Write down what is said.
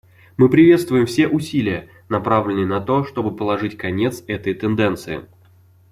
Мы приветствуем все усилия, направленные на то, чтобы положить конец этой тенденции.